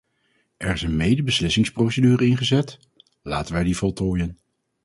Er is een medebeslissingsprocedure ingezet, laten wij die voltooien.